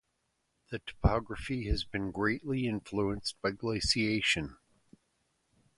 The topography has been greatly influenced by glaciation.